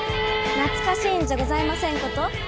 懐かしいんじゃございませんこと？